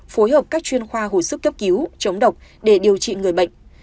phối hợp các chuyên khoa hồi sức cấp cứu chống độc để điều trị người bệnh